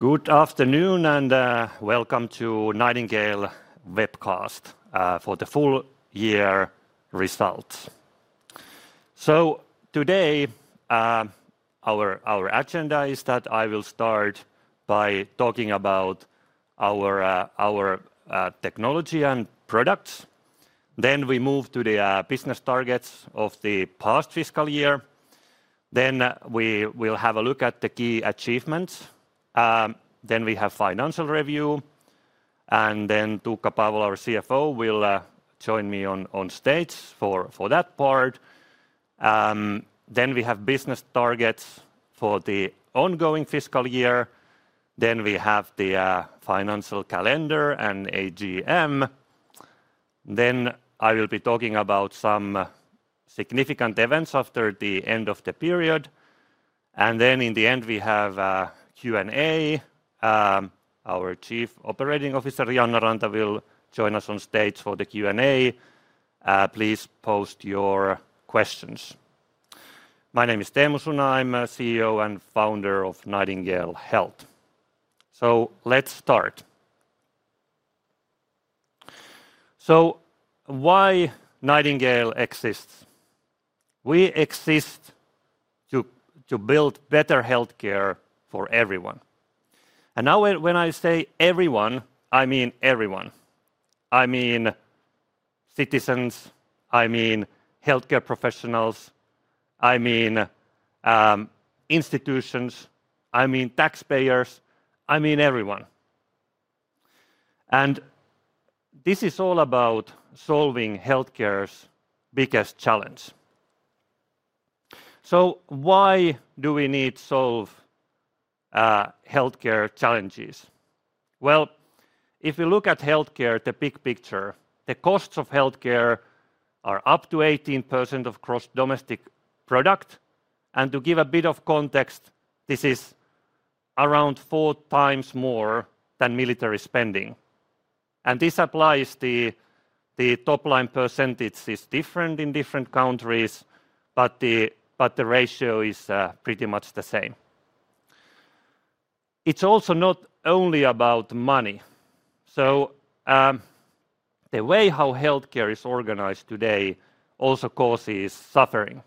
Good afternoon and welcome to Nightingale Health Oyj's webcast for the full year results. Today, our agenda is that I will start by talking about our technology and products. Then we move to the business targets of the past fiscal year. Then we will have a look at the key achievements. Then we have financial review. Tuukka Paavola, our CFO, will join me on stage for that part. Then we have business targets for the ongoing fiscal year. Then we have the financial calendar and AGM. I will be talking about some significant events after the end of the period. In the end, we have a Q&A. Our Chief Operating Officer, Janna Ranta, will join us on stage for the Q&A. Please post your questions. My name is Teemu Suna. I'm CEO and Founder of Nightingale Health Oyj. Let's start. Why does Nightingale Health Oyj exist? We exist to build better healthcare for everyone. Now, when I say everyone, I mean everyone. I mean citizens, I mean healthcare professionals, I mean institutions, I mean taxpayers, I mean everyone. This is all about solving healthcare's biggest challenge. Why do we need to solve healthcare challenges? If you look at healthcare, the big picture, the costs of healthcare are up to 18% of gross domestic product. To give a bit of context, this is around four times more than military spending. This applies to the top-line percentages. It's different in different countries, but the ratio is pretty much the same. It's also not only about money. The way healthcare is organized today also causes suffering.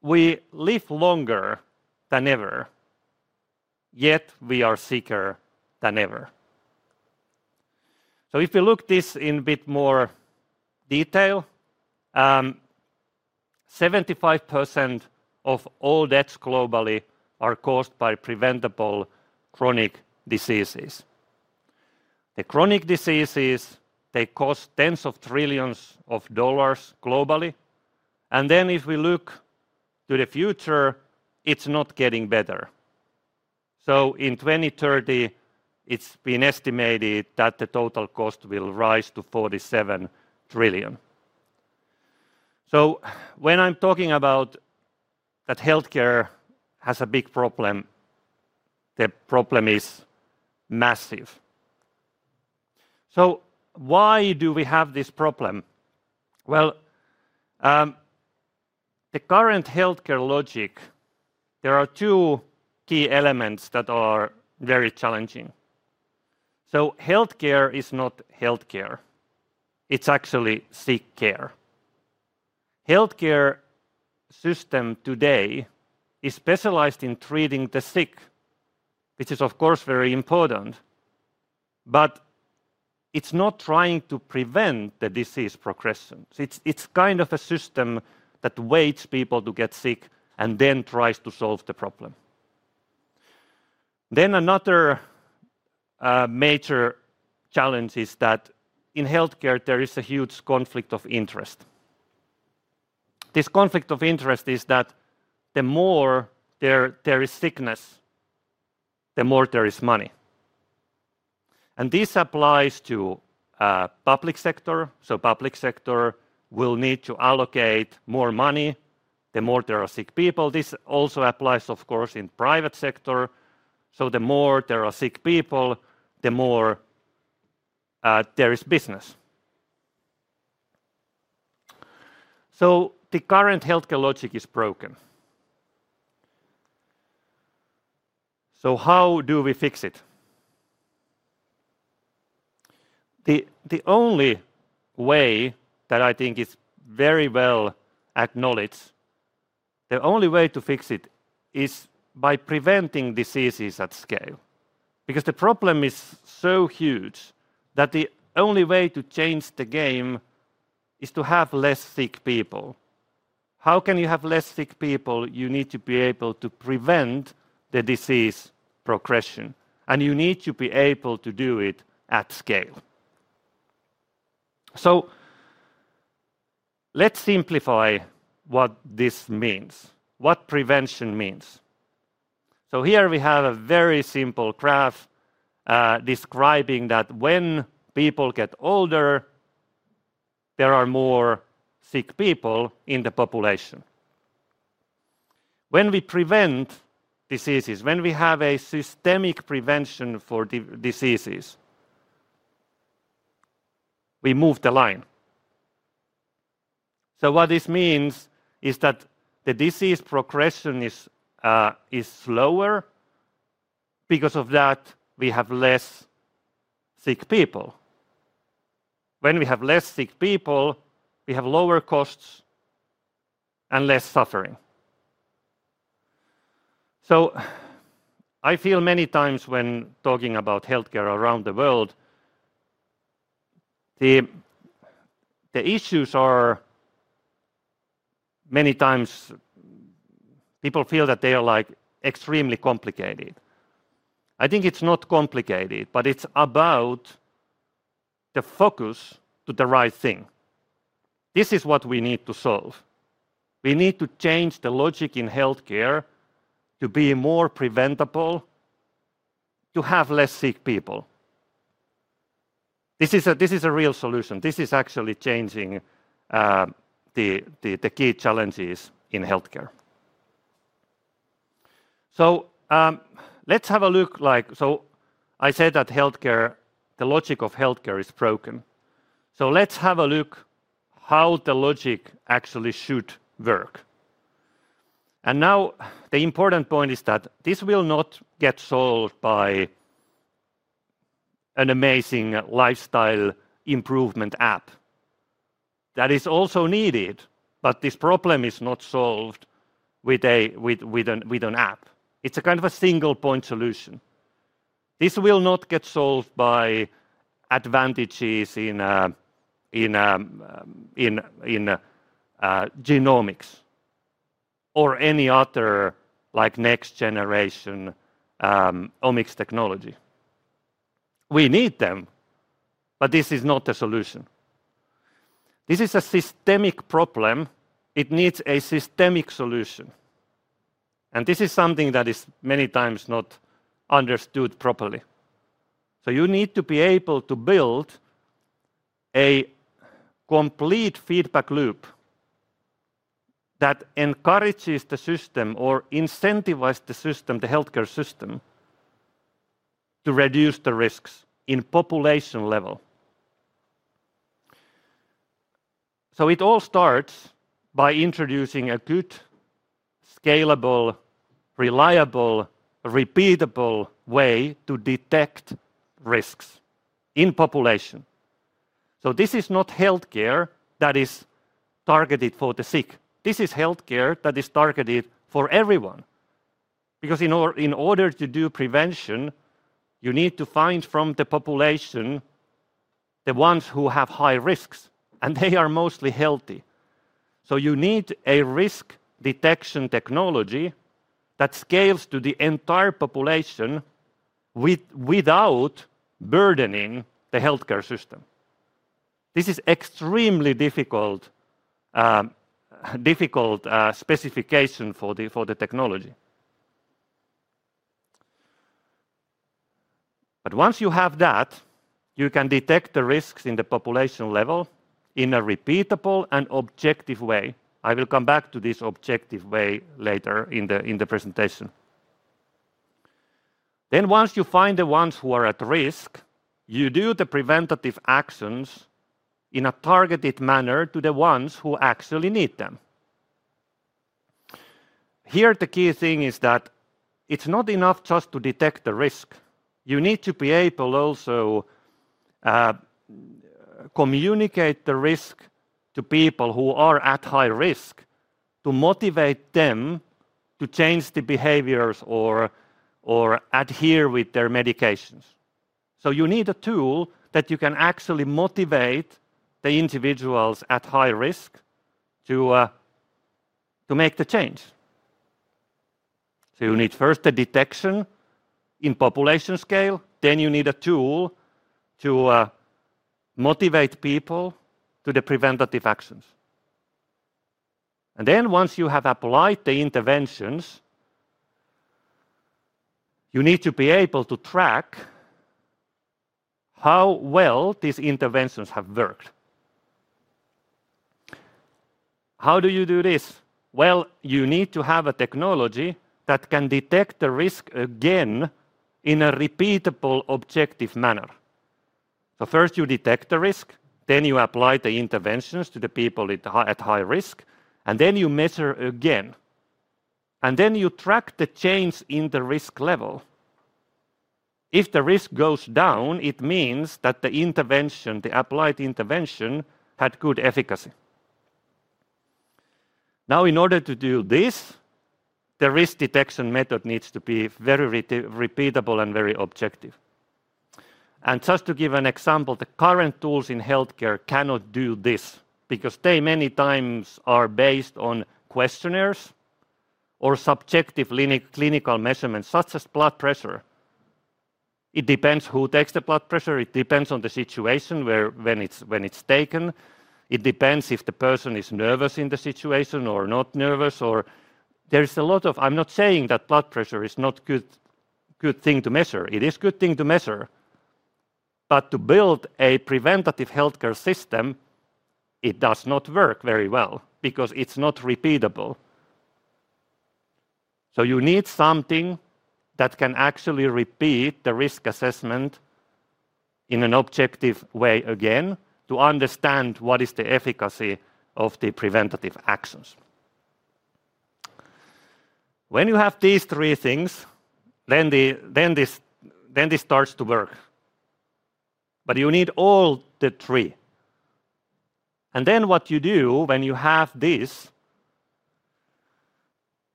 We live longer than ever, yet we are sicker than ever. If you look at this in a bit more detail, 75% of all deaths globally are caused by preventable chronic diseases. The chronic diseases cost tens of trillions of dollars globally. If we look to the future, it's not getting better. In 2030, it's been estimated that the total cost will rise to $47 trillion. When I'm talking about that healthcare has a big problem, the problem is massive. Why do we have this problem? The current healthcare logic, there are two key elements that are very challenging. Healthcare is not healthcare. It's actually sick care. The healthcare system today is specialized in treating the sick, which is, of course, very important. It's not trying to prevent the disease progression. It's kind of a system that waits for people to get sick and then tries to solve the problem. Another major challenge is that in healthcare, there is a huge conflict of interest. This conflict of interest is that the more there is sickness, the more there is money. This applies to the public sector. The public sector will need to allocate more money the more there are sick people. This also applies, of course, in the private sector. The more there are sick people, the more there is business. The current healthcare logic is broken. How do we fix it? The only way that I think is very well acknowledged, the only way to fix it is by preventing diseases at scale. Because the problem is so huge that the only way to change the game is to have less sick people. How can you have less sick people? You need to be able to prevent the disease progression, and you need to be able to do it at scale. Let's simplify what this means, what prevention means. Here we have a very simple graph describing that when people get older, there are more sick people in the population. When we prevent diseases, when we have a systemic prevention for diseases, we move the line. What this means is that the disease progression is slower. Because of that, we have less sick people. When we have less sick people, we have lower costs and less suffering. I feel many times when talking about healthcare around the world, the issues are many times people feel that they are like extremely complicated. I think it's not complicated, but it's about the focus to the right thing. This is what we need to solve. We need to change the logic in healthcare to be more preventable, to have less sick people. This is a real solution. This is actually changing the key challenges in healthcare. Let's have a look. I said that the logic of healthcare is broken. Let's have a look at how the logic actually should work. Now, the important point is that this will not get solved by an amazing lifestyle improvement app. That is also needed, but this problem is not solved with an app. It's a kind of a single point solution. This will not get solved by advances in genomics or any other next-generation omics technology. We need them, but this is not the solution. This is a systemic problem. It needs a systemic solution. This is something that is many times not understood properly. You need to be able to build a complete feedback loop that encourages the system or incentivizes the healthcare system to reduce the risks in the population level. It all starts by introducing a good, scalable, reliable, repeatable way to detect risks in the population. This is not healthcare that is targeted for the sick. This is healthcare that is targeted for everyone. Because in order to do prevention, you need to find from the population the ones who have high risks, and they are mostly healthy. You need a risk detection technology that scales to the entire population without burdening the healthcare system. This is an extremely difficult specification for the technology. Once you have that, you can detect the risks in the population level in a repeatable and objective way. I will come back to this objective way later in the presentation. Once you find the ones who are at risk, you do the preventative actions in a targeted manner to the ones who actually need them. Here, the key thing is that it's not enough just to detect the risk. You need to be able to also communicate the risk to people who are at high risk to motivate them to change the behaviors or adhere with their medications. You need a tool that you can actually motivate the individuals at high risk to make the change. You need first a detection in population scale. You need a tool to motivate people to the preventative actions. Once you have applied the interventions, you need to be able to track how well these interventions have worked. How do you do this? You need to have a technology that can detect the risk again in a repeatable, objective manner. First, you detect the risk. You apply the interventions to the people at high risk. You measure again. You track the change in the risk level. If the risk goes down, it means that the intervention, the applied intervention, had good efficacy. In order to do this, the risk detection method needs to be very repeatable and very objective. Just to give an example, the current tools in healthcare cannot do this because they many times are based on questionnaires or subjective clinical measurements such as blood pressure. It depends who takes the blood pressure. It depends on the situation when it's taken. It depends if the person is nervous in the situation or not nervous. There is a lot of... I'm not saying that blood pressure is not a good thing to measure. It is a good thing to measure. To build a preventative healthcare system, it does not work very well because it's not repeatable. You need something that can actually repeat the risk assessment in an objective way again to understand what is the efficacy of the preventative actions. When you have these three things, this starts to work. You need all three. When you have this,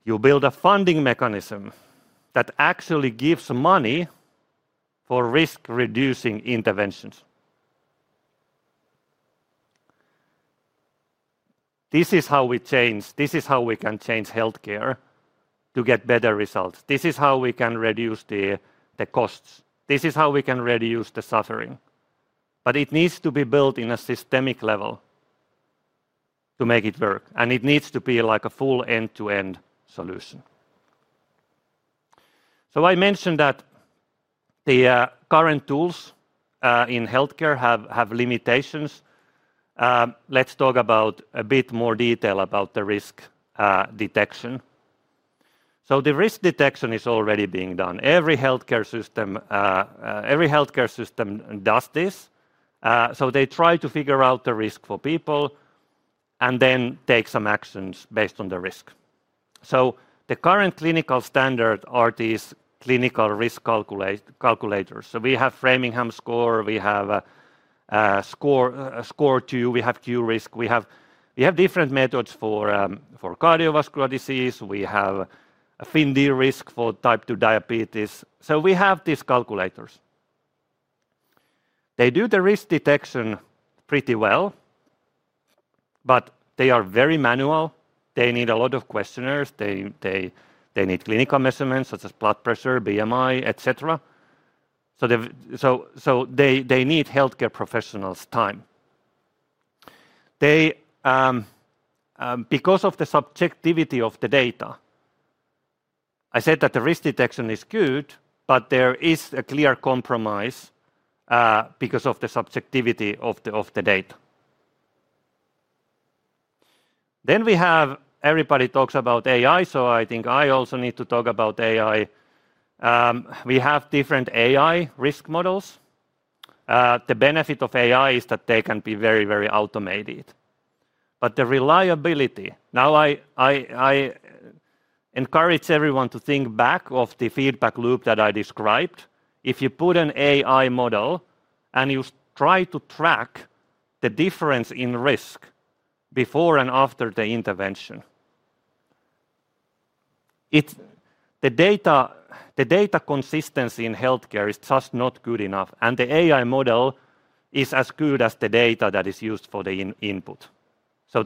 you build a funding mechanism that actually gives money for risk-reducing interventions. This is how we can change healthcare to get better results. This is how we can reduce the costs. This is how we can reduce the suffering. It needs to be built at a systemic level to make it work. It needs to be like a full end-to-end solution. I mentioned that the current tools in healthcare have limitations. Let's talk in a bit more detail about the risk detection. The risk detection is already being done. Every healthcare system does this. They try to figure out the risk for people and then take some actions based on the risk. The current clinical standard is these clinical risk calculators. We have Framingham Score. We have SCORE2. We have QRisk. We have different methods for cardiovascular disease. We have FINDRISC for type 2 diabetes. We have these calculators. They do the risk detection pretty well, but they are very manual. They need a lot of questionnaires. They need clinical measurements such as blood pressure, BMI, etc. They need healthcare professionals' time. Because of the subjectivity of the data, I said that the risk detection is good, but there is a clear compromise because of the subjectivity of the data. Everybody talks about AI, so I think I also need to talk about AI. We have different AI risk models. The benefit of AI is that they can be very, very automated. The reliability—now I encourage everyone to think back to the feedback loop that I described. If you put an AI model and you try to track the difference in risk before and after the intervention, the data consistency in healthcare is just not good enough. The AI model is as good as the data that is used for the input.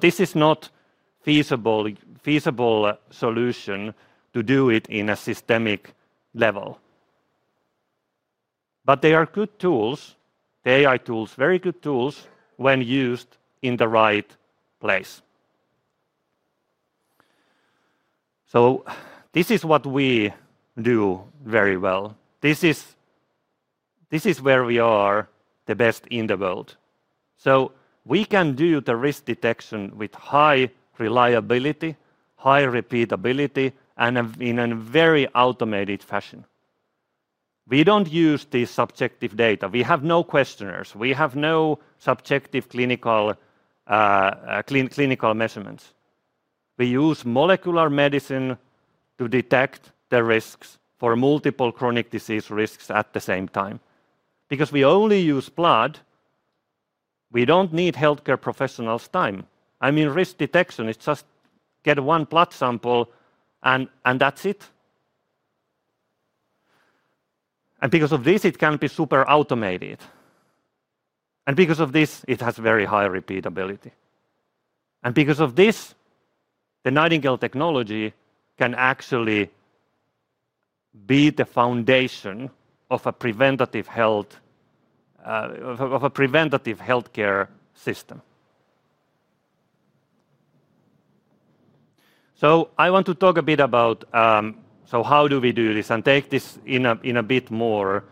This is not a feasible solution to do it at a systemic level. They are good tools, the AI tools, very good tools when used in the right place. This is what we do very well. This is where we are the best in the world. We can do the risk detection with high reliability, high repeatability, and in a very automated fashion. We don't use the subjective data. We have no questionnaires. We have no subjective clinical measurements. We use molecular medicine to detect the risks for multiple chronic disease risks at the same time. Because we only use blood, we don't need healthcare professionals' time. I mean, risk detection is just get one blood sample and that's it. Because of this, it can be super automated. Because of this, it has very high repeatability. Because of this, the Nightingale Health Oyj technology can actually be the foundation of a preventative healthcare system. I want to talk a bit about how do we do this and take this in a bit more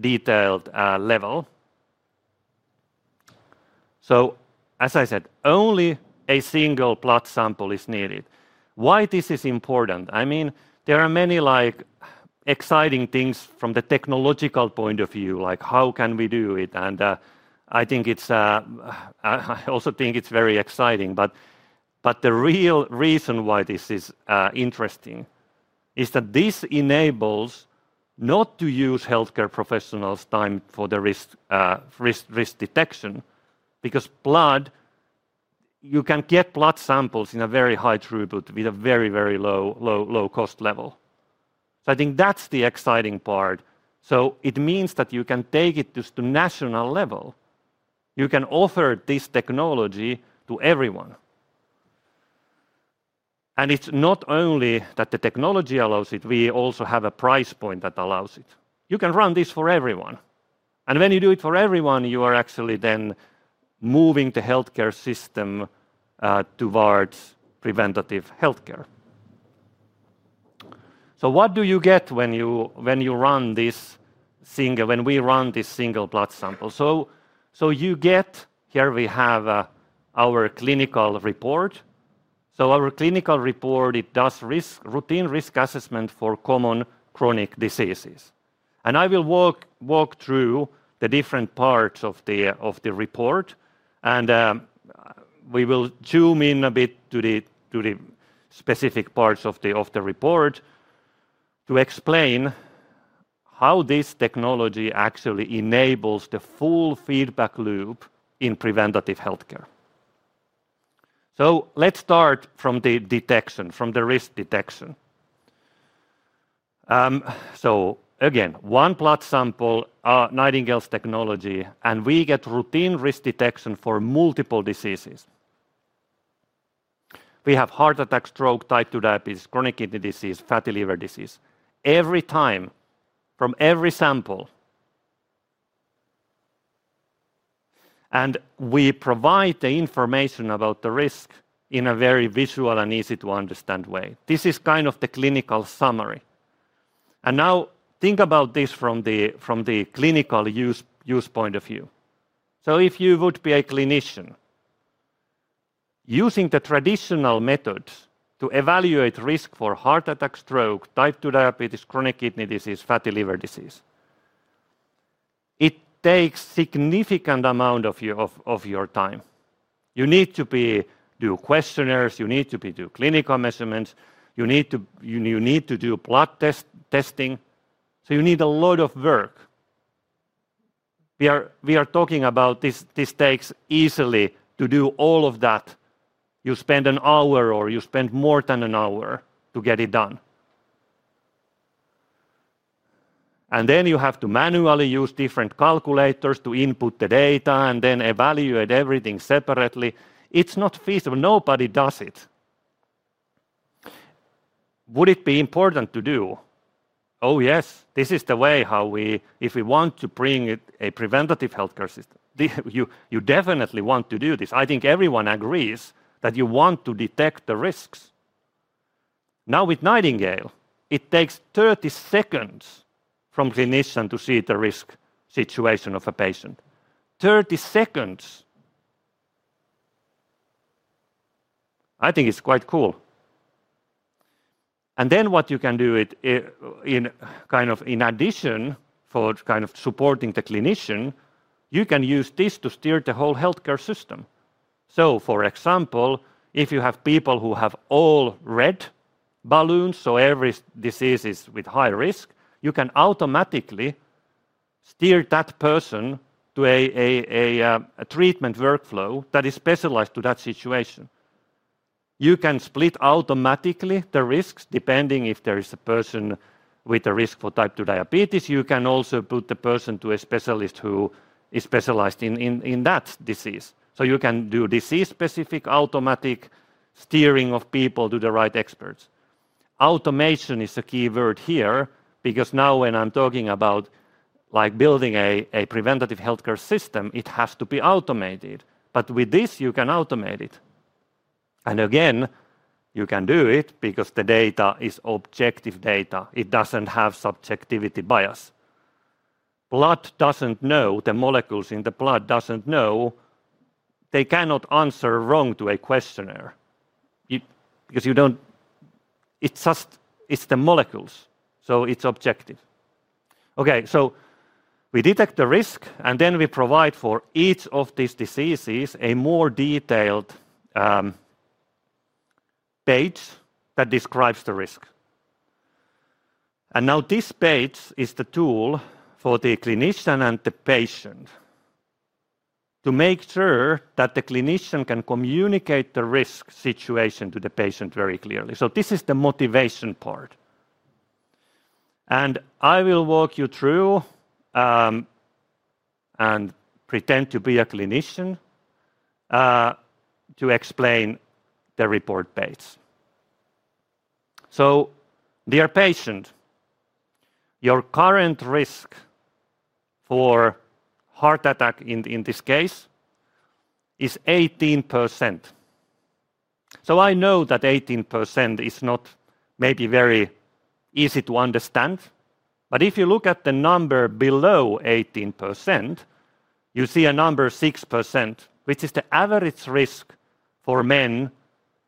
detailed level. As I said, only a single blood sample is needed. Why this is important? I mean, there are many exciting things from the technological point of view, like how can we do it? I also think it's very exciting. The real reason why this is interesting is that this enables not to use healthcare professionals' time for the risk detection because blood, you can get blood samples in a very high throughput with a very, very low cost level. I think that's the exciting part. It means that you can take it just to national level. You can offer this technology to everyone. It's not only that the technology allows it, we also have a price point that allows it. You can run this for everyone. When you do it for everyone, you are actually then moving the healthcare system towards preventative healthcare. What do you get when you run this single blood sample? Here we have our clinical report. Our clinical report, it does routine risk assessment for common chronic diseases. I will walk through the different parts of the report. We will zoom in a bit to the specific parts of the report to explain how this technology actually enables the full feedback loop in preventative healthcare. Let's start from the detection, from the risk detection. Again, one blood sample, Nightingale Health Oyj's technology, and we get routine risk detection for multiple diseases. We have heart attack, stroke, type 2 diabetes, chronic kidney disease, fatty liver disease, every time from every sample. We provide the information about the risk in a very visual and easy-to-understand way. This is kind of the clinical summary. Now, think about this from the clinical use point of view. If you would be a clinician using the traditional methods to evaluate risk for heart attack, stroke, type 2 diabetes, chronic kidney disease, fatty liver disease, it takes a significant amount of your time. You need to do questionnaires. You need to do clinical measurements. You need to do blood testing. You need a lot of work. We are talking about this takes easily to do all of that. You spend an hour or you spend more than an hour to get it done. You have to manually use different calculators to input the data and then evaluate everything separately. It's not feasible. Nobody does it. Would it be important to do? Oh, yes. This is the way how we, if we want to bring a preventative healthcare system, you definitely want to do this. I think everyone agrees that you want to detect the risks. Now, with Nightingale, it takes 0:30 from a clinician to see the risk situation of a patient. 0:30. I think it's quite cool. What you can do in addition for supporting the clinician, you can use this to steer the whole healthcare system. For example, if you have people who have all red balloons, so every disease is with high risk, you can automatically steer that person to a treatment workflow that is specialized to that situation. You can split automatically the risks depending if there is a person with a risk for type 2 diabetes. You can also put the person to a specialist who is specialized in that disease. You can do disease-specific automatic steering of people to the right experts. Automation is a key word here because now when I'm talking about building a preventative healthcare system, it has to be automated. With this, you can automate it. Again, you can do it because the data is objective data. It doesn't have subjectivity bias. Blood doesn't know, the molecules in the blood don't know. They cannot answer wrong to a questionnaire. It's just, it's the molecules, so it's objective. We detect the risk, and then we provide for each of these diseases a more detailed page that describes the risk. This page is the tool for the clinician and the patient to make sure that the clinician can communicate the risk situation to the patient very clearly. This is the motivation part. I will walk you through and pretend to be a clinician to explain the report page. Dear patient, your current risk for heart attack in this case is 18%. I know that 18% is not maybe very easy to understand. If you look at the number below 18%, you see a number 6%, which is the average risk for men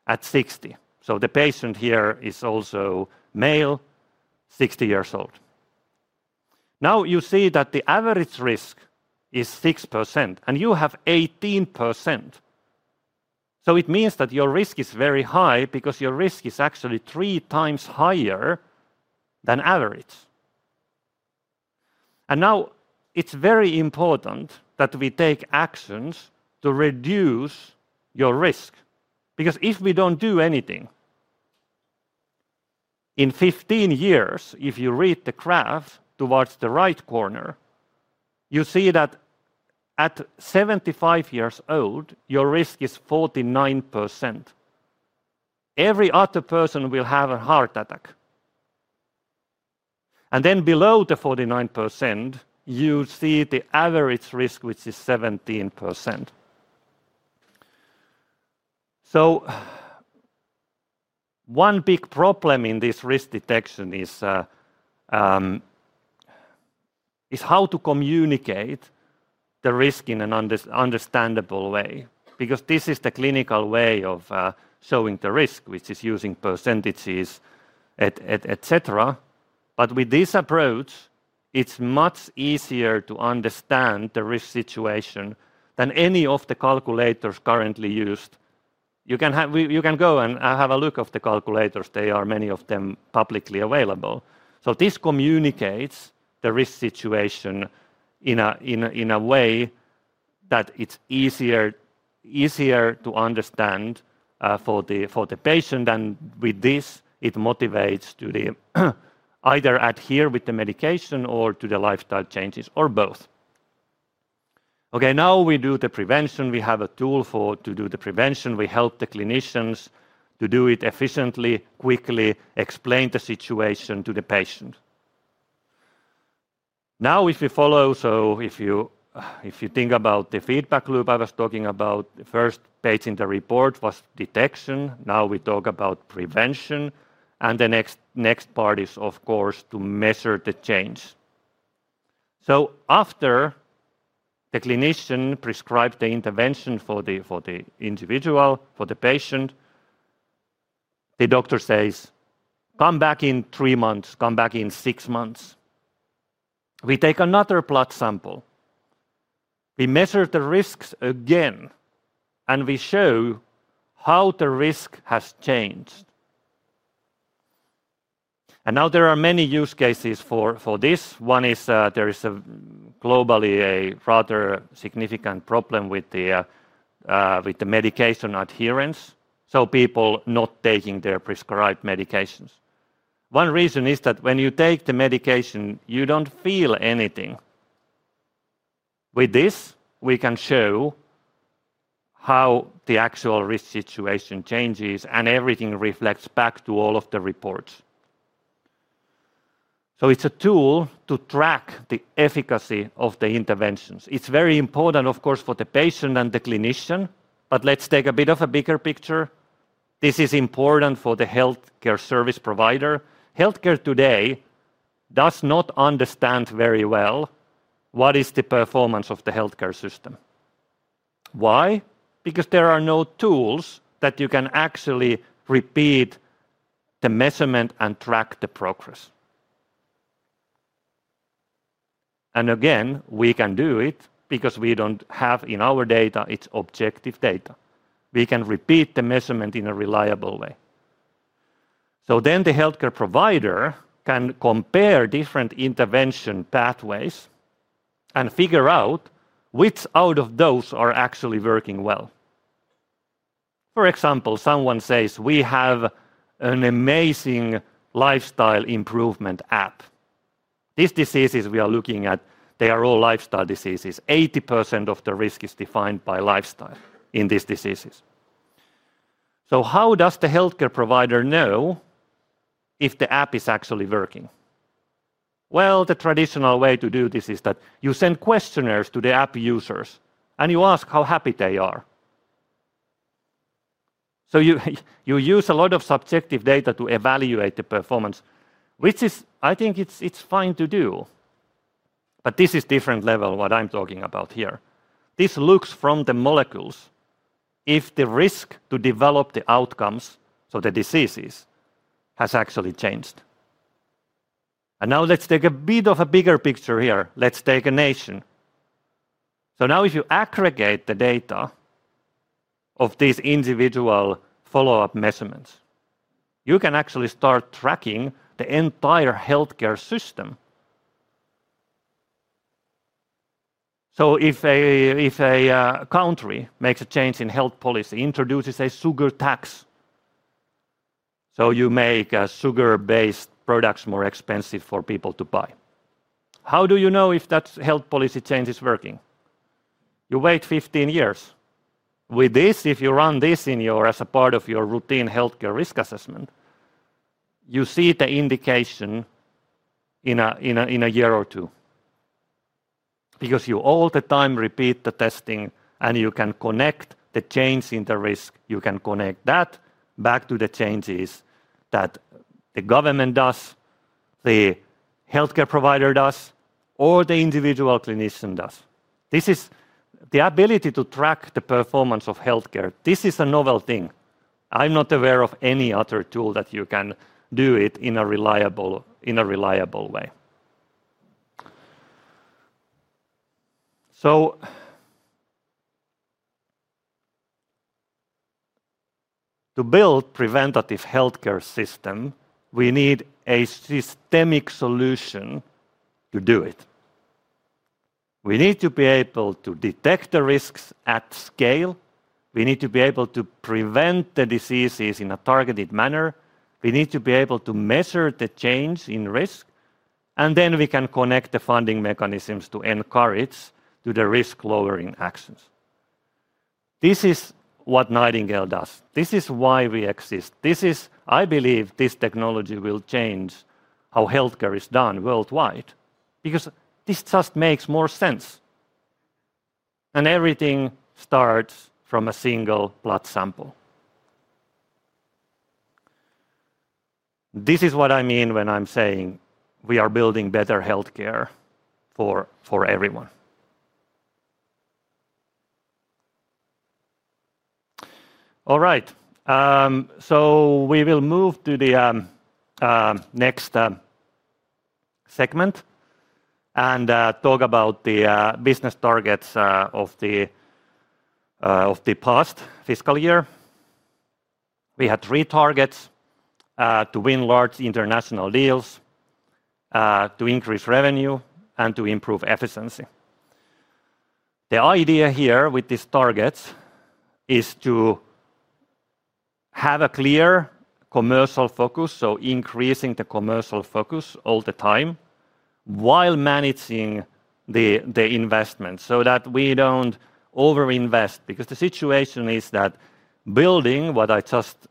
at 60. The patient here is also male, 60 years old. Now you see that the average risk is 6%, and you have 18%. It means that your risk is very high because your risk is actually three times higher than average. Now, it's very important that we take actions to reduce your risk. Because if we don't do anything in 15 years, if you read the graph towards the right corner, you see that at 75 years old, your risk is 49%. Every other person will have a heart attack. Below the 49%, you see the average risk, which is 17%. One big problem in this risk detection is how to communicate the risk in an understandable way. This is the clinical way of showing the risk, which is using percentages, etc. With this approach, it's much easier to understand the risk situation than any of the calculators currently used. You can go and have a look at the calculators. There are many of them publicly available. This communicates the risk situation in a way that it's easier to understand for the patient. With this, it motivates to either adhere with the medication or to the lifestyle changes or both. Now we do the prevention. We have a tool to do the prevention. We help the clinicians to do it efficiently, quickly, explain the situation to the patient. If you follow, if you think about the feedback loop I was talking about, the first page in the report was detection. Now we talk about prevention. The next part is, of course, to measure the change. After the clinician prescribes the intervention for the individual, for the patient, the doctor says, "Come back in three months. Come back in six months." We take another blood sample. We measure the risks again, and we show how the risk has changed. There are many use cases for this. One is there is globally a rather significant problem with the medication adherence, so people not taking their prescribed medications. One reason is that when you take the medication, you don't feel anything. With this, we can show how the actual risk situation changes, and everything reflects back to all of the reports. It's a tool to track the efficacy of the interventions. It's very important, of course, for the patient and the clinician. Let's take a bit of a bigger picture. This is important for the healthcare service provider. Healthcare today does not understand very well what is the performance of the healthcare system. Why? Because there are no tools that you can actually repeat the measurement and track the progress. We can do it because we don't have in our data, it's objective data. We can repeat the measurement in a reliable way. The healthcare provider can compare different intervention pathways and figure out which out of those are actually working well. For example, someone says, "We have an amazing lifestyle improvement app." These diseases we are looking at, they are all lifestyle diseases. 80% of the risk is defined by lifestyle in these diseases. How does the healthcare provider know if the app is actually working? The traditional way to do this is that you send questionnaires to the app users and you ask how happy they are. You use a lot of subjective data to evaluate the performance, which I think it's fine to do. This is a different level of what I'm talking about here. This looks from the molecules if the risk to develop the outcomes, so the diseases, has actually changed. Let's take a bit of a bigger picture here. Let's take a nation. If you aggregate the data of these individual follow-up measurements, you can actually start tracking the entire healthcare system. If a country makes a change in health policy, introduces a sugar tax, you make sugar-based products more expensive for people to buy. How do you know if that health policy change is working? You wait 15 years. With this, if you run this as a part of your routine healthcare risk assessment, you see the indication in a year or two. You all the time repeat the testing and you can connect the change in the risk. You can connect that back to the changes that the government does, the healthcare provider does, or the individual clinician does. This is the ability to track the performance of healthcare. This is a novel thing. I'm not aware of any other tool that you can do it in a reliable way. To build a preventative healthcare system, we need a systemic solution to do it. We need to be able to detect the risks at scale. We need to be able to prevent the diseases in a targeted manner. We need to be able to measure the change in risk. Then we can connect the funding mechanisms to encourage the risk-lowering actions. This is what Nightingale Health Oyj does. This is why we exist. I believe this technology will change how healthcare is done worldwide because this just makes more sense. Everything starts from a single blood sample. This is what I mean when I'm saying we are building better healthcare for everyone. All right, we will move to the next segment and talk about the business targets of the past fiscal year. We had three targets: to win large international deals, to increase revenue, and to improve efficiency. The idea here with these targets is to have a clear commercial focus, so increasing the commercial focus all the time while managing the investments so that we don't overinvest. Because the situation is that building what I just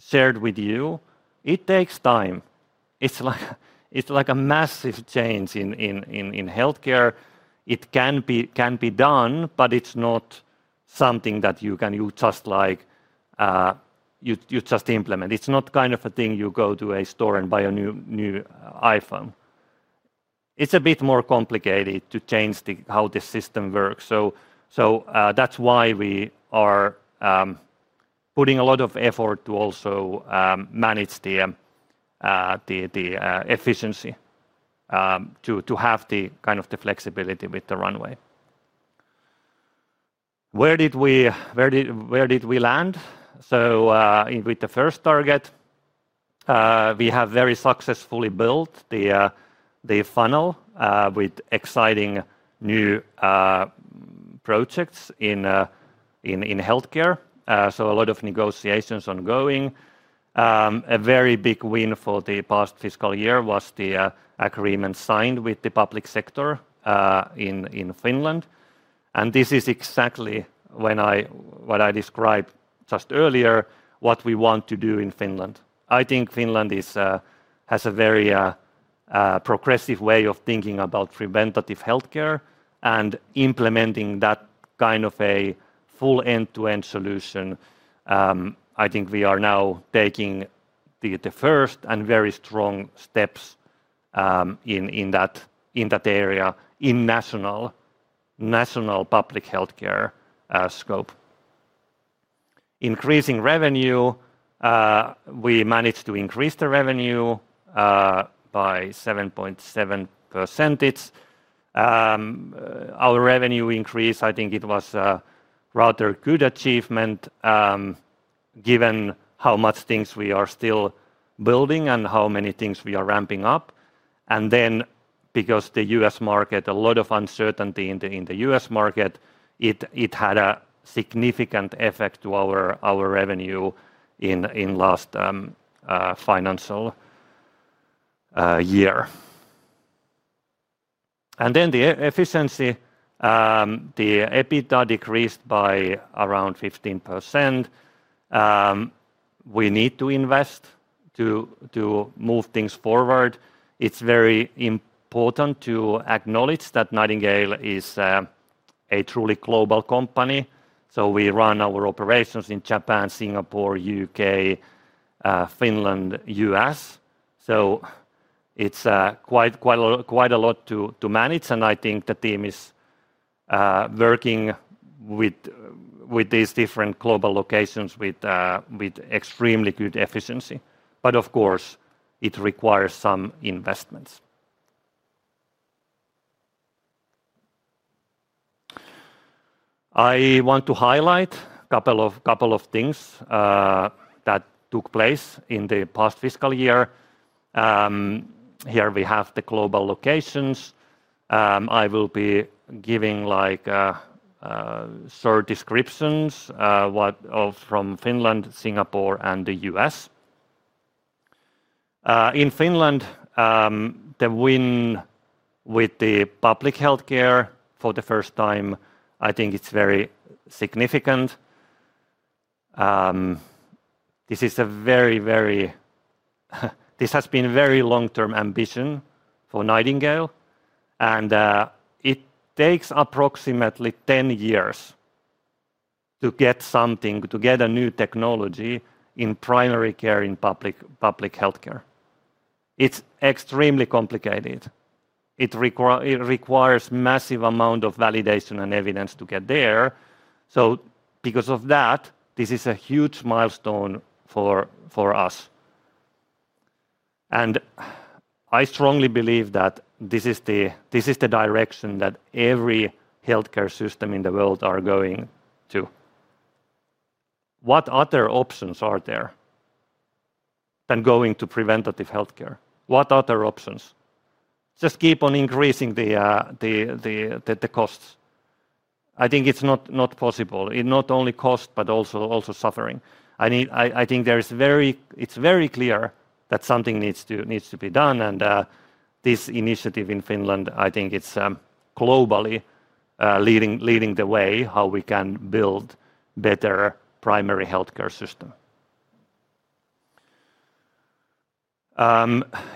shared with you, it takes time. It's like a massive change in healthcare. It can be done, but it's not something that you can just implement. It's not kind of a thing you go to a store and buy a new iPhone. It's a bit more complicated to change how the system works. That's why we are putting a lot of effort to also manage the efficiency, to have the kind of flexibility with the runway. Where did we land? With the first target, we have very successfully built the funnel with exciting new projects in healthcare. A lot of negotiations ongoing. A very big win for the past fiscal year was the agreement signed with the Finnish public sector. This is exactly what I described just earlier, what we want to do in Finland. I think Finland has a very progressive way of thinking about preventative healthcare and implementing that kind of a full end-to-end solution. I think we are now taking the first and very strong steps in that area, in national public healthcare scope. Increasing revenue, we managed to increase the revenue by 7.7%. Our revenue increase, I think it was a rather good achievement given how much things we are still building and how many things we are ramping up. Because the U.S. market, a lot of uncertainty in the U.S. market, it had a significant effect to our revenue in the last financial year. The efficiency, the EBITDA decreased by around 15%. We need to invest to move things forward. It's very important to acknowledge that Nightingale Health Oyj is a truly global company. We run our operations in Japan, Singapore, UK, Finland, U.S. It's quite a lot to manage, and I think the team is working with these different global locations with extremely good efficiency. Of course, it requires some investments. I want to highlight a couple of things that took place in the past fiscal year. Here we have the global locations. I will be giving short descriptions from Finland, Singapore, and the U.S. In Finland, the win with the public healthcare for the first time, I think it's very significant. This has been a very long-term ambition for Nightingale Health Oyj, and it takes approximately 10 years to get something, to get a new technology in primary care in public healthcare. It's extremely complicated. It requires a massive amount of validation and evidence to get there. Because of that, this is a huge milestone for us. I strongly believe that this is the direction that every healthcare system in the world is going to. What other options are there than going to preventative healthcare? What other options? Just keep on increasing the costs. I think it's not possible. It's not only cost, but also suffering. I think it's very clear that something needs to be done. This initiative in Finland, I think it's globally leading the way how we can build a better primary healthcare system.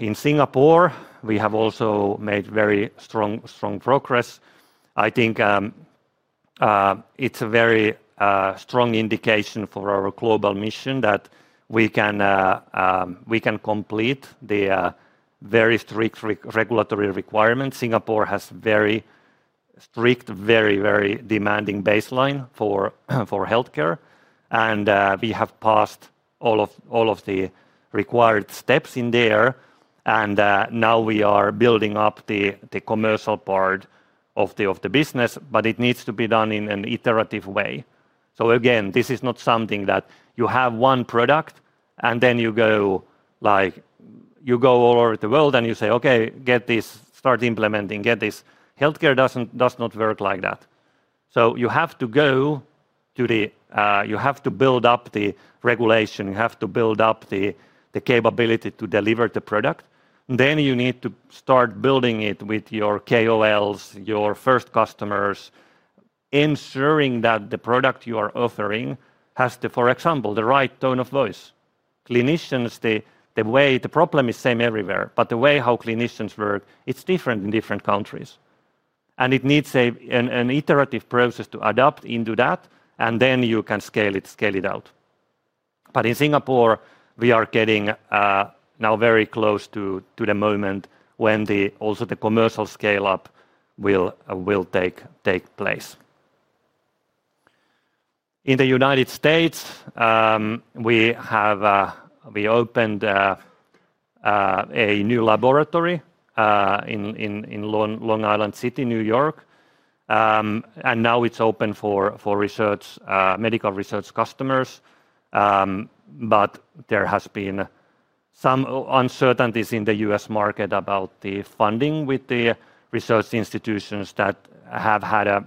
In Singapore, we have also made very strong progress. I think it's a very strong indication for our global mission that we can complete the very strict regulatory requirements. Singapore has a very strict, very, very demanding baseline for healthcare. We have passed all of the required steps in there, and now we are building up the commercial part of the business. It needs to be done in an iterative way. This is not something that you have one product and then you go all over the world and you say, "Okay, get this, start implementing, get this." Healthcare does not work like that. You have to build up the regulation. You have to build up the capability to deliver the product. Then you need to start building it with your KOLs, your first customers, ensuring that the product you are offering has the, for example, the right tone of voice. Clinicians, the way the problem is the same everywhere, but the way how clinicians work is different in different countries. It needs an iterative process to adapt into that, and then you can scale it out. In Singapore, we are getting now very close to the moment when also the commercial scale-up will take place. In the U.S., we opened a new laboratory in Long Island City, New York. Now it's open for medical research customers. There have been some uncertainties in the U.S. market about the funding with the research institutions that have had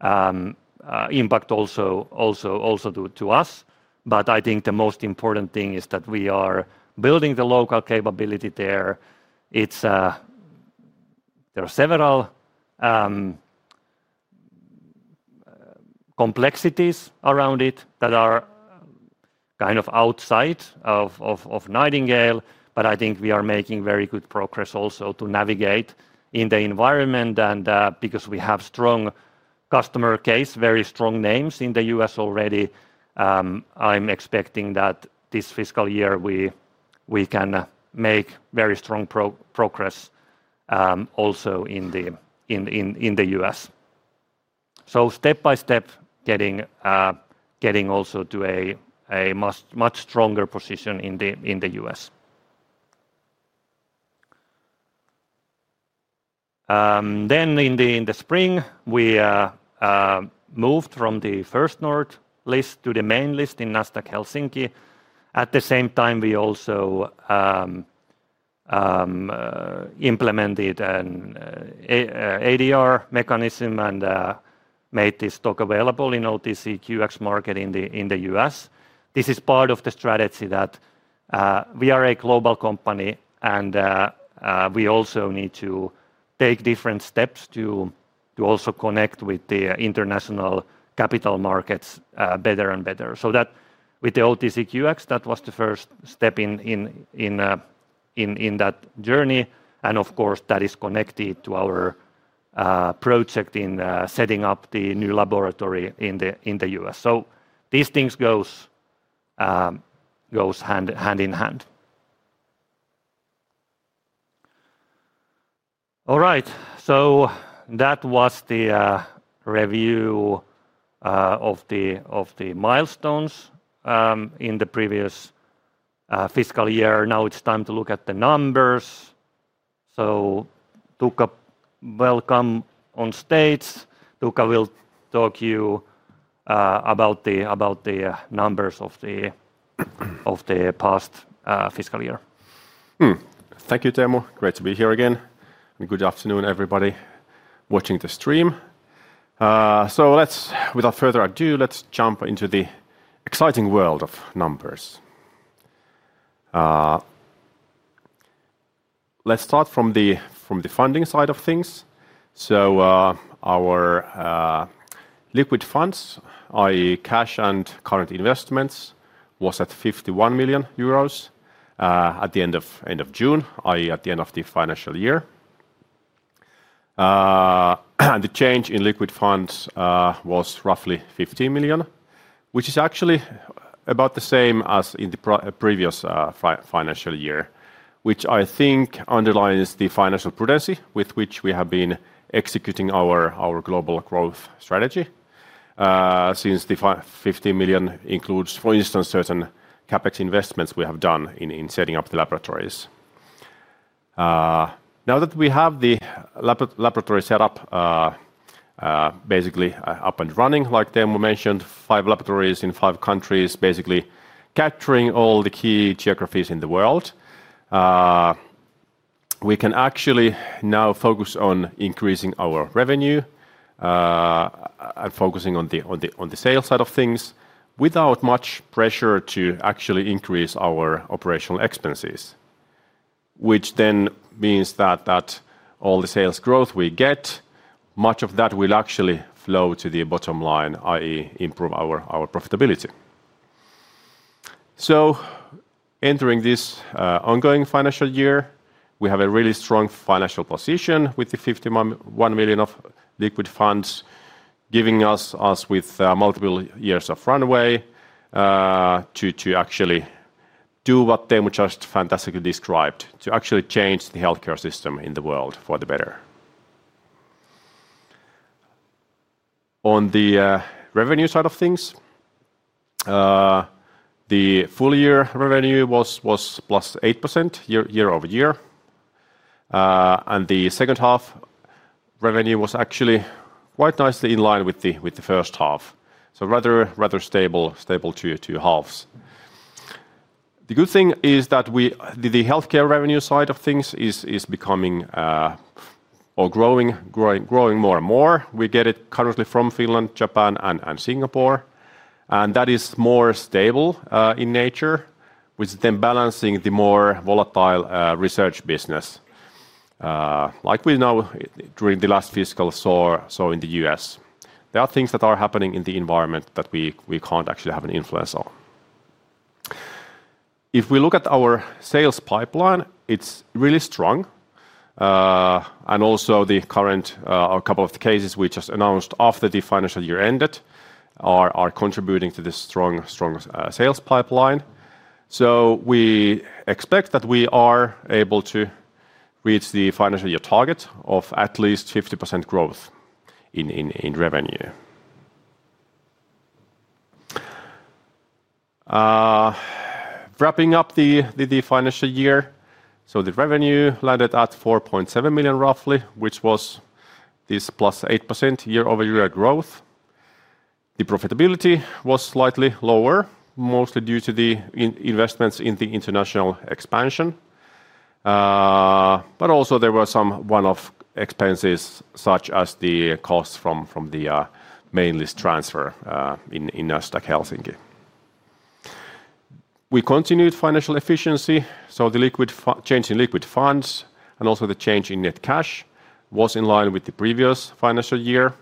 an impact also to us. I think the most important thing is that we are building the local capability there. There are several complexities around it that are kind of outside of Nightingale Health Oyj. I think we are making very good progress also to navigate in the environment. Because we have strong customer case, very strong names in the U.S. already, I'm expecting that this fiscal year we can make very strong progress also in the U.S., step by step, getting also to a much stronger position in the U.S. In the spring, we moved from the first NORD list to the main list in Nasdaq Helsinki. At the same time, we also implemented an ADR mechanism and made this stock available in OTC QX market in the U.S. This is part of the strategy that we are a global company, and we also need to take different steps to also connect with the international capital markets better and better. With the OTC QX, that was the first step in that journey. Of course, that is connected to our project in setting up the new laboratory in the U.S. These things go hand in hand. All right, that was the review of the milestones in the previous fiscal year. Now it's time to look at the numbers. Tuukka will come on stage. Tuukka will talk to you about the numbers of the past fiscal year. Thank you, Teemu. Great to be here again. Good afternoon, everybody watching the stream. Without further ado, let's jump into the exciting world of numbers. Let's start from the funding side of things. Our liquid funds, i.e., cash and current investments, were at €51 million at the end of June, i.e., at the end of the financial year. The change in liquid funds was roughly €15 million, which is actually about the same as in the previous financial year, which I think underlines the financial prudency with which we have been executing our global growth strategy since the €15 million includes, for instance, certain CapEx investments we have done in setting up the laboratories. Now that we have the laboratory set up basically up and running, like Teemu mentioned, five laboratories in five countries, basically capturing all the key geographies in the world, we can actually now focus on increasing our revenue and focusing on the sales side of things without much pressure to actually increase our operational expenses, which then means that all the sales growth we get, much of that will actually flow to the bottom line, i.e., improve our profitability. Entering this ongoing financial year, we have a really strong financial position with the €51 million of liquid funds, giving us multiple years of runway to actually do what Teemu just fantastically described, to actually change the healthcare system in the world for the better. On the revenue side of things, the full year revenue was plus 8% year over year. The second half revenue was actually quite nicely in line with the first half, so rather stable two halves. The good thing is that the healthcare revenue side of things is growing more and more. We get it currently from Finland, Japan, and Singapore. That is more stable in nature, which is then balancing the more volatile research business, like we know during the last fiscal saw in the U.S. There are things that are happening in the environment that we can't actually have an influence on. If we look at our sales pipeline, it's really strong. Also, a couple of the cases we just announced after the financial year ended are contributing to the strong sales pipeline. We expect that we are able to reach the financial year target of at least 50% growth in revenue. Wrapping up the financial year, the revenue landed at €4.7 million roughly, which was this plus 8% year over year growth. The profitability was slightly lower, mostly due to the investments in the international expansion. There were also some one-off expenses, such as the costs from the main list transfer in Nasdaq Helsinki. We continued financial efficiency, so the change in liquid funds and also the change in net cash was in line with the previous financial year.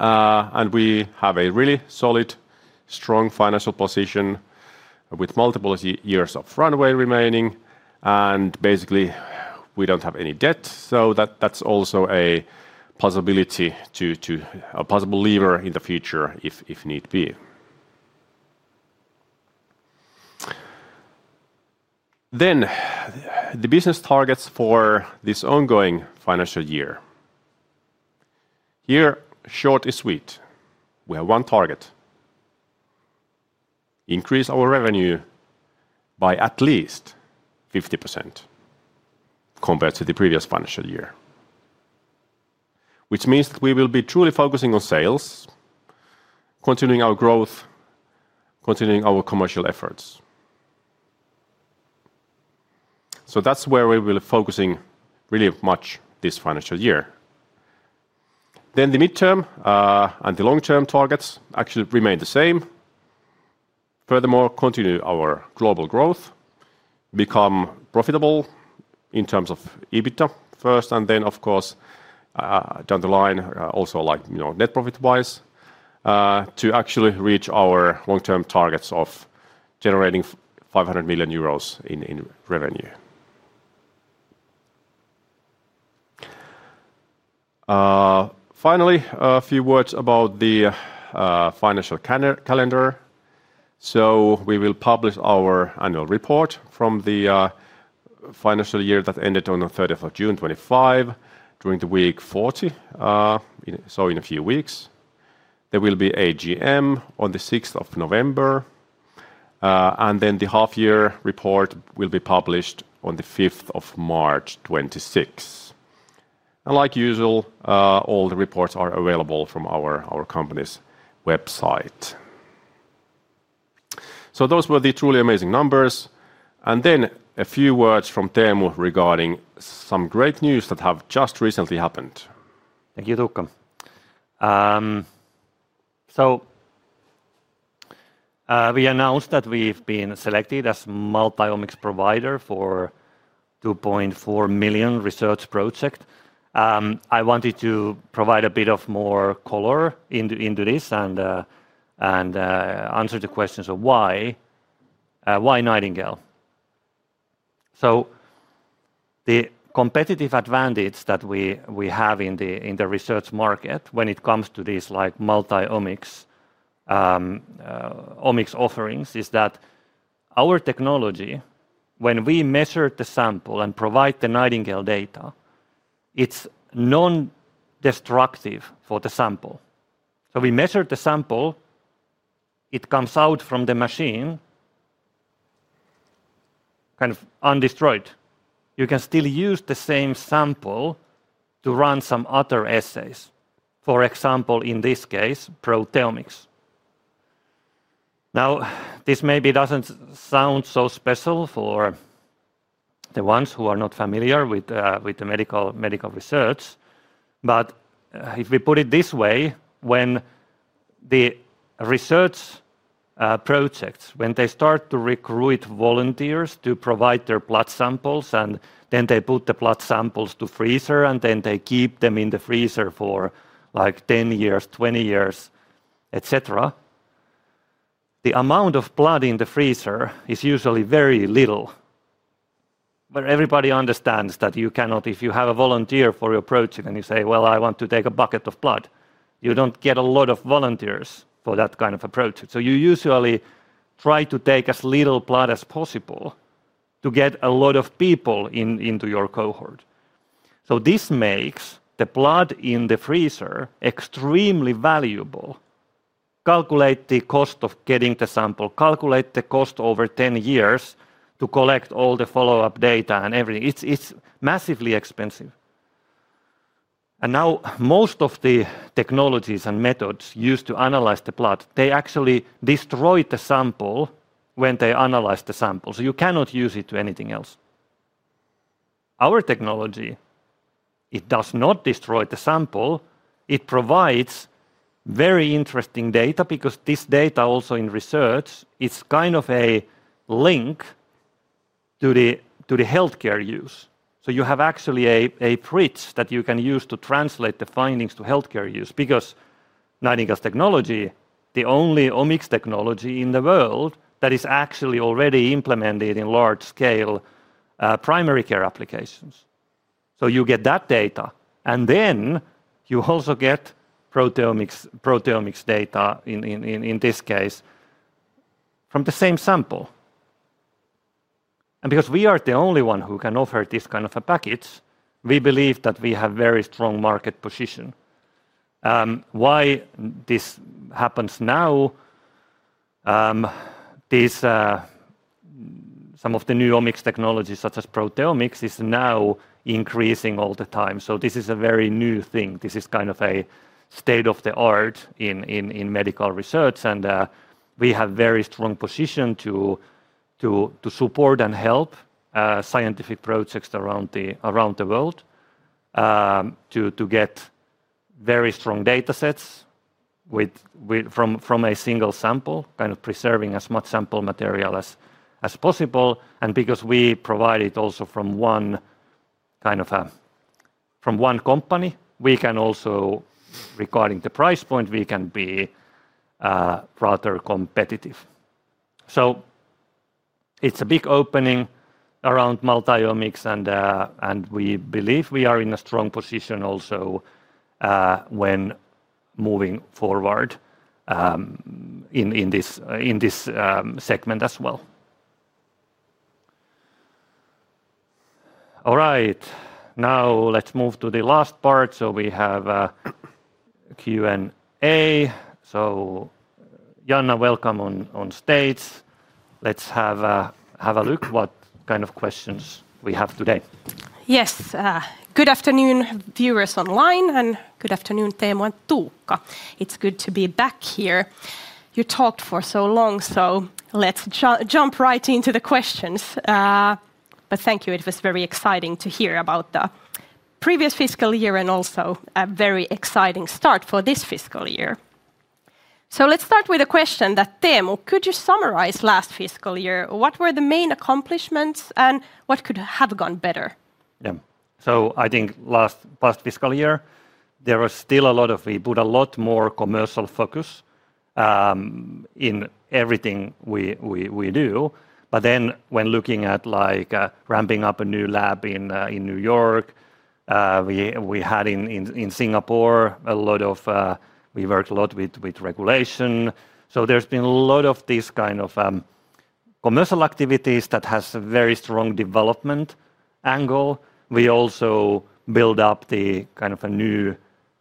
We have a really solid, strong financial position with multiple years of runway remaining. Basically, we don't have any debt, so that's also a possibility to a possible lever in the future if need be. The business targets for this ongoing financial year: here, short and sweet, we have one target—increase our revenue by at least 50% compared to the previous financial year, which means we will be truly focusing on sales, continuing our growth, continuing our commercial efforts. That's where we will be focusing really much this financial year. The midterm and the long-term targets actually remain the same. Furthermore, continue our global growth, become profitable in terms of EBITDA first, and then, of course, down the line also net profit-wise to actually reach our long-term targets of generating €500 million in revenue. Finally, a few words about the financial calendar. We will publish our annual report from the financial year that ended on the 30th of June 2025, during week 40, so in a few weeks. There will be AGM on the 6th of November. The half-year report will be published on the 5th of March 2026. Like usual, all the reports are available from our company's website. Those were the truly amazing numbers. A few words from Teemu regarding some great news that have just recently happened. Thank you, Tuukka. We announced that we've been selected as a multi-omics provider for a $2.4 million research project. I wanted to provide a bit more color into this and answer the questions of why Nightingale. The competitive advantage that we have in the research market when it comes to these multi-omics offerings is that our technology, when we measure the sample and provide the Nightingale data, it's non-destructive for the sample. We measure the sample, it comes out from the machine kind of undestroyed. You can still use the same sample to run some other assays, for example, in this case, proteomics. This maybe doesn't sound so special for the ones who are not familiar with medical research. If we put it this way, when the research projects start to recruit volunteers to provide their blood samples, and then they put the blood samples to freezer, and then they keep them in the freezer for like 10 years, 20 years, etc., the amount of blood in the freezer is usually very little. Everybody understands that you cannot, if you have a volunteer for your project and you say, "I want to take a bucket of blood," you don't get a lot of volunteers for that kind of approach. You usually try to take as little blood as possible to get a lot of people into your cohort. This makes the blood in the freezer extremely valuable. Calculate the cost of getting the sample, calculate the cost over 10 years to collect all the follow-up data and everything. It's massively expensive. Most of the technologies and methods used to analyze the blood actually destroy the sample when they analyze the sample. You cannot use it for anything else. Our technology does not destroy the sample. It provides very interesting data because this data also in research is kind of a link to the healthcare use. You have actually a bridge that you can use to translate the findings to healthcare use because Nightingale's technology is the only omics technology in the world that is actually already implemented in large-scale primary care applications. You get that data, and then you also get proteomics data, in this case, from the same sample. Because we are the only one who can offer this kind of a package, we believe that we have a very strong market position. Why this happens now? Some of the new omics technologies such as proteomics are now increasing all the time. This is a very new thing. This is kind of a state of the art in medical research. We have a very strong position to support and help scientific projects around the world to get very strong datasets from a single sample, kind of preserving as much sample material as possible. Because we provide it also from one company, we can also, regarding the price point, be rather competitive. It's a big opening around multi-omics, and we believe we are in a strong position also when moving forward in this segment as well. All right, now let's move to the last part. We have Q&A. So Janna, welcome on stage. Let's have a look at what kind of questions we have today. Yes, good afternoon, viewers online, and good afternoon, Teemu and Tuukka. It's good to be back here. You talked for so long, so let's jump right into the questions. Thank you, it was very exciting to hear about the previous fiscal year and also a very exciting start for this fiscal year. Let's start with a question. Teemu, could you summarize last fiscal year? What were the main accomplishments and what could have gone better? I think last fiscal year, there was still a lot of, we put a lot more commercial focus in everything we do. When looking at ramping up a new lab in New York, we had in Singapore a lot of, we worked a lot with regulation. There have been a lot of these kind of commercial activities that have a very strong development angle. We also built up a kind of new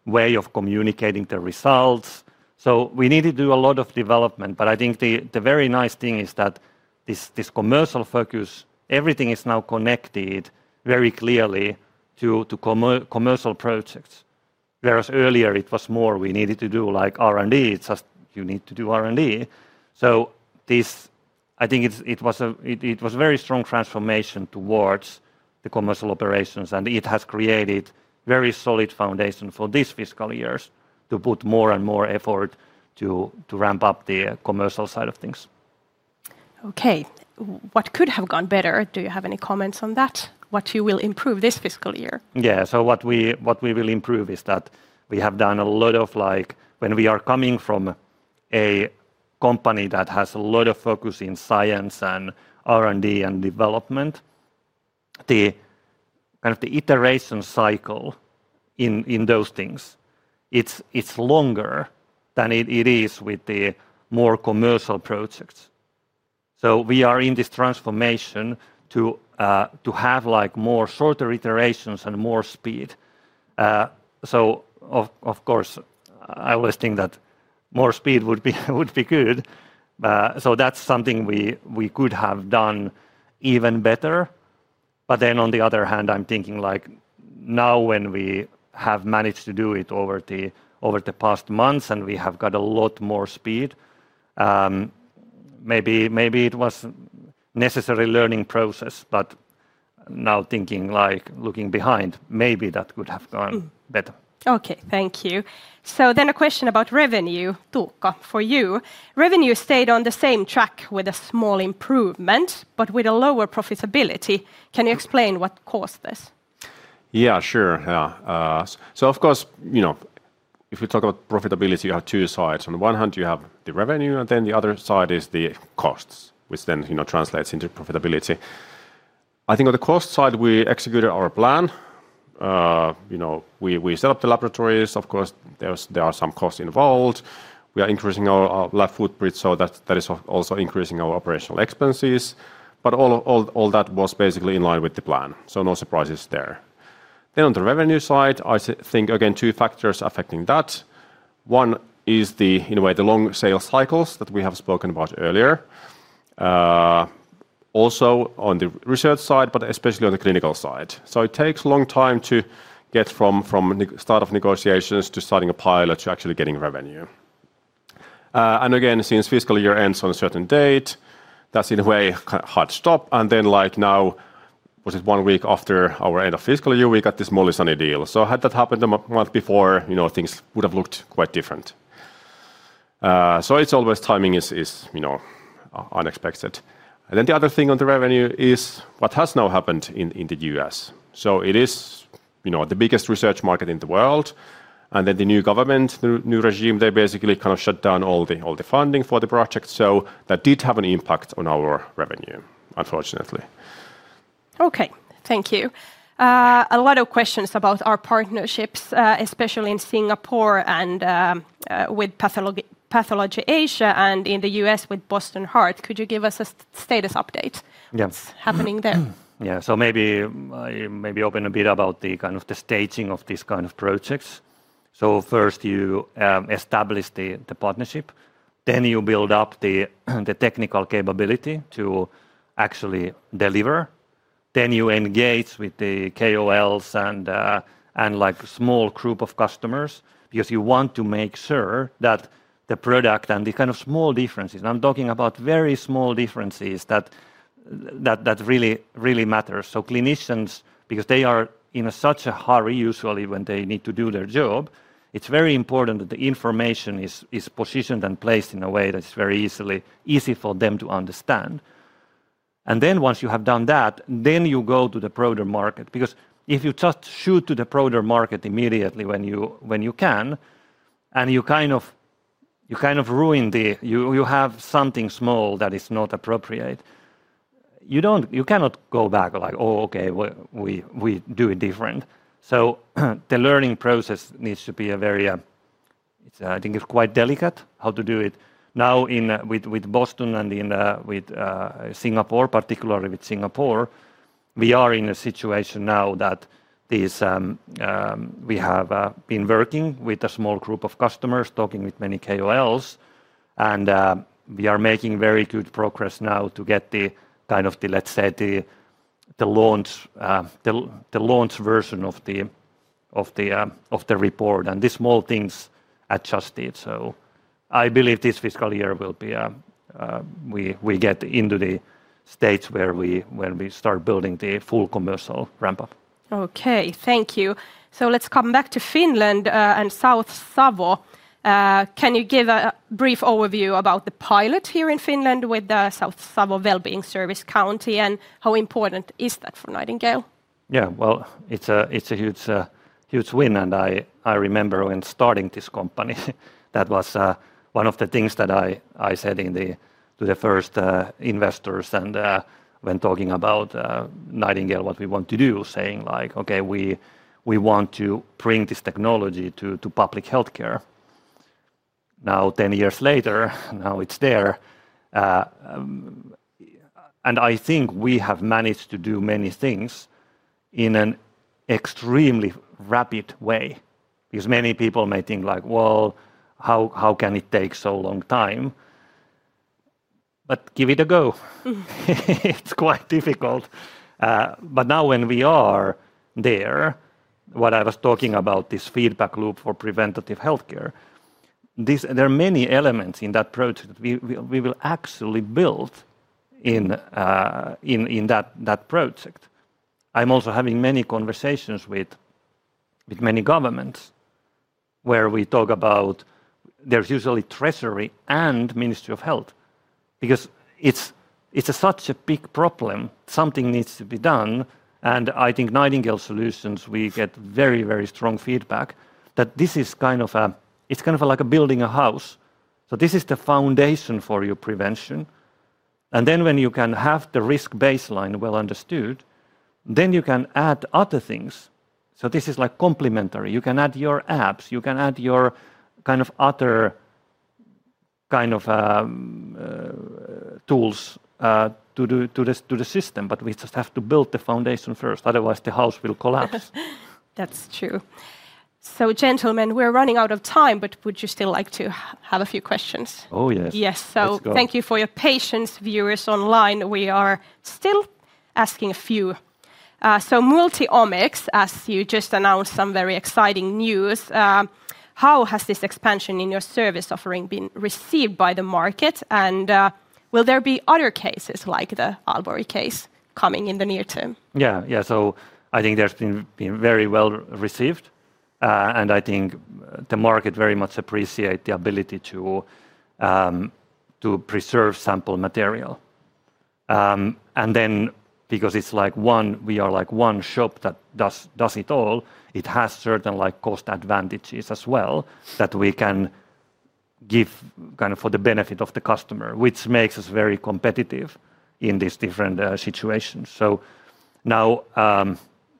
way of communicating the results. We need to do a lot of development. The very nice thing is that this commercial focus, everything is now connected very clearly to commercial projects. Whereas earlier, it was more we needed to do R&D. It's just you need to do R&D. I think it was a very strong transformation towards the commercial operations, and it has created a very solid foundation for these fiscal years to put more and more effort to ramp up the commercial side of things. Okay, what could have gone better? Do you have any comments on that? What will you improve this fiscal year? Yeah, what we will improve is that we have done a lot of, when we are coming from a company that has a lot of focus in science and R&D and development, the kind of iteration cycle in those things is longer than it is with the more commercial projects. We are in this transformation to have more shorter iterations and more speed. Of course, I always think that more speed would be good. That's something we could have done even better. On the other hand, I'm thinking like now when we have managed to do it over the past months and we have got a lot more speed, maybe it was a necessary learning process. Now thinking, looking behind, maybe that could have gone better. Okay, thank you. A question about revenue, Tuukka, for you. Revenue stayed on the same track with a small improvement, but with a lower profitability. Can you explain what caused this? Yeah, sure. Of course, if we talk about profitability, you have two sides. On the one hand, you have the revenue, and then the other side is the costs, which then translates into profitability. I think on the cost side, we executed our plan. We set up the laboratories. Of course, there are some costs involved. We are increasing our lab footprint, so that is also increasing our operational expenses. All that was basically in line with the plan, so no surprises there. On the revenue side, I think again two factors affecting that. One is the long sales cycles that we have spoken about earlier, also on the research side, especially on the clinical side. It takes a long time to get from the start of negotiations to starting a pilot to actually getting revenue. Since the fiscal year ends on a certain date, that's in a way a hard stop. Now, was it one week after our end of fiscal year, we got this Molly Sunny deal. Had that happened a month before, things would have looked quite different. Timing is unexpected. The other thing on the revenue is what has now happened in the U.S. It is the biggest research market in the world. The new government, the new regime, they basically kind of shut down all the funding for the project. That did have an impact on our revenue, unfortunately. Okay, thank you. A lot of questions about our partnerships, especially in Singapore and with Pathology Asia and in the U.S. with Boston Heart. Could you give us a status update? What's happening there? Maybe open a bit about the staging of these kind of projects. First, you establish the partnership. Then you build up the technical capability to actually deliver. Then you engage with the KOLs and a small group of customers because you want to make sure that the product and the kind of small differences, and I'm talking about very small differences that really matter. Clinicians, because they are in such a hurry usually when they need to do their job, it's very important that the information is positioned and placed in a way that's very easy for them to understand. Once you have done that, you go to the broader market. If you just shoot to the broader market immediately when you can, you kind of ruin the, you have something small that is not appropriate. You cannot go back like, "Oh, okay, we do it different." The learning process needs to be a very, I think it's quite delicate how to do it. Now with Boston and with Singapore, particularly with Singapore, we are in a situation now that we have been working with a small group of customers, talking with many KOLs. We are making very good progress now to get the kind of, let's say, the launch version of the report. These small things adjusted. I believe this fiscal year will be, we get into the stage where we start building the full commercial ramp-up. Okay, thank you. Let's come back to Finland and South Savo. Can you give a brief overview about the pilot here in Finland with the South Savo Wellbeing Service County and how important is that for Nightingale? Yeah, it's a huge win. I remember when starting this company, that was one of the things that I said to the first investors and when talking about Nightingale Health Oyj, what we want to do, saying like, "Okay, we want to bring this technology to public healthcare." Now, 10 years later, now it's there. I think we have managed to do many things in an extremely rapid way. Many people may think like, "How can it take so long time?" Give it a go. It's quite difficult. Now when we are there, what I was talking about, this feedback loop for preventative healthcare, there are many elements in that project we will actually build in that project. I'm also having many conversations with many governments where we talk about, there's usually Treasury and Ministry of Health because it's such a big problem. Something needs to be done. I think Nightingale Health Oyj solutions, we get very, very strong feedback that this is kind of like building a house. This is the foundation for your prevention. When you can have the risk baseline well understood, then you can add other things. This is complementary. You can add your apps. You can add your other kind of tools to the system. We just have to build the foundation first. Otherwise, the house will collapse. That's true. Gentlemen, we're running out of time, but would you still like to have a few questions? Oh, yes. Yes, thank you for your patience, viewers online. We are still asking a few. Multi-omics, as you just announced some very exciting news, how has this expansion in your service offering been received by the market? Will there be other cases like the Alvari case coming in the near term? I think that's been very well received. I think the market very much appreciates the ability to preserve sample material. Because it's like one, we are like one shop that does it all, it has certain cost advantages as well that we can give kind of for the benefit of the customer, which makes us very competitive in these different situations.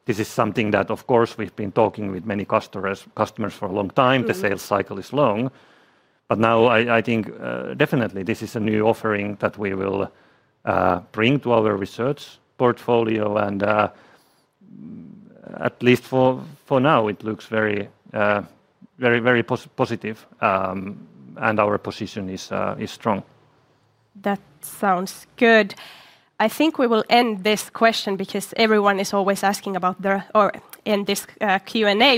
This is something that, of course, we've been talking with many customers for a long time. The sales cycle is long. I think definitely this is a new offering that we will bring to our research portfolio. At least for now, it looks very, very positive, and our position is strong. That sounds good. I think we will end this Q&A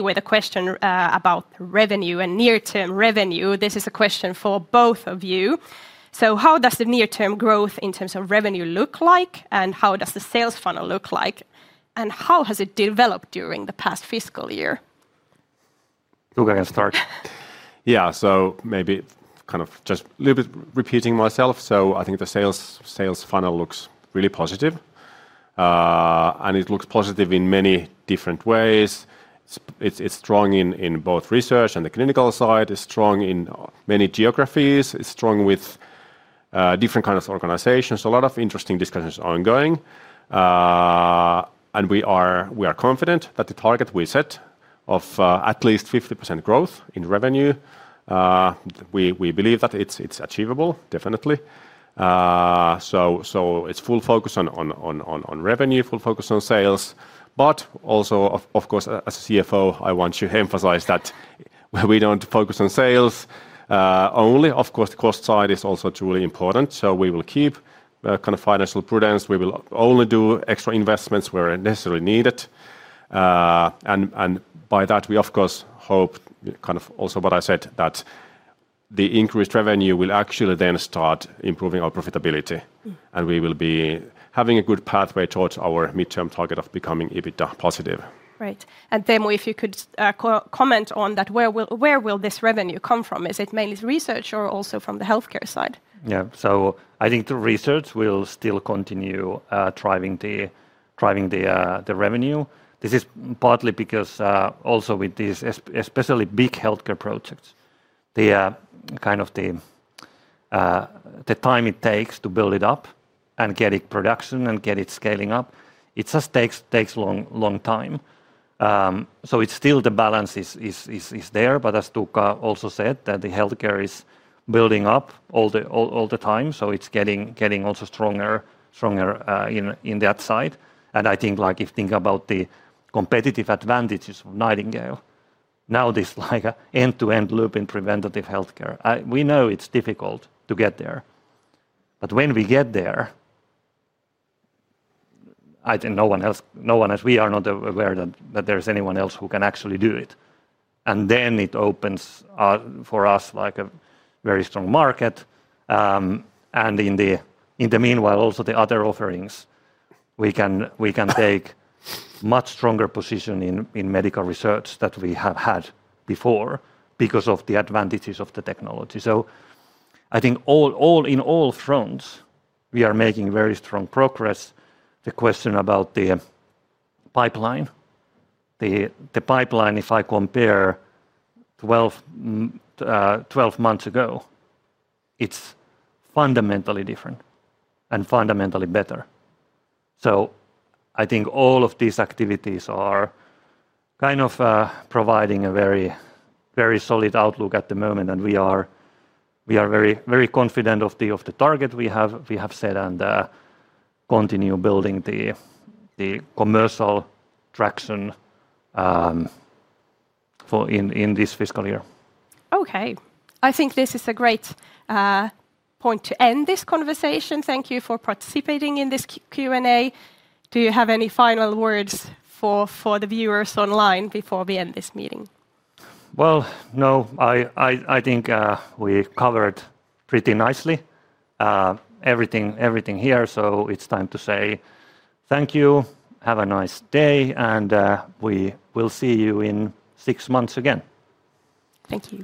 with a question about revenue and near-term revenue. This is a question for both of you. How does the near-term growth in terms of revenue look like, and how does the sales pipeline look like, and how has it developed during the past fiscal year? Go ahead and start. Yeah, so maybe kind of just repeating myself. I think the sales funnel looks really positive, and it looks positive in many different ways. It's strong in both research and the clinical side. It's strong in many geographies. It's strong with different kinds of organizations. A lot of interesting discussions are ongoing. We are confident that the target we set of at least 50% growth in revenue, we believe that it's achievable, definitely. It's full focus on revenue, full focus on sales. Of course, as a CFO, I want to emphasize that we don't focus on sales only. Of course, the cost side is also truly important. We will keep kind of financial prudence. We will only do extra investments where necessary needed. By that, we, of course, hope, kind of also what I said, that the increased revenue will actually then start improving our profitability, and we will be having a good pathway towards our mid-term target of becoming EBITDA positive. Right. Teemu, if you could comment on that, where will this revenue come from? Is it mainly research or also from the healthcare side? Yeah, I think the research will still continue driving the revenue. This is partly because also with this special. Big healthcare project. The kind of the time it takes to build it up and get it in production and get it scaling up, it just takes a long, long time. The balance is still there. As Tuukka also said, the healthcare is building up all the time. It's getting also stronger in that side. I think if you think about the competitive advantages of Nightingale Health Oyj, now this is like an end-to-end loop in preventative healthcare. We know it's difficult to get there. When we get there, I think no one else, we are not aware that there's anyone else who can actually do it. It opens for us a very strong market. In the meanwhile, also the other offerings, we can take a much stronger position in medical research than we have had before because of the advantages of the technology. I think on all fronts, we are making very strong progress. The question about the pipeline, if I compare 12 months ago, it's fundamentally different and fundamentally better. I think all of these activities are providing a very, very solid outlook at the moment. We are very, very confident of the target we have set and continue building the commercial traction in this fiscal year. Okay, I think this is a great point to end this conversation. Thank you for participating in this Q&A. Do you have any final words for the viewers online before we end this meeting? I think we covered pretty nicely everything here. It's time to say thank you, have a nice day, and we will see you in six months again. Thank you.